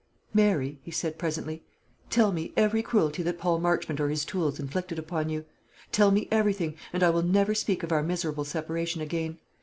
"Mary," he said, presently, "tell me every cruelty that Paul Marchmont or his tools inflicted upon you; tell me everything, and I will never speak of our miserable separation again.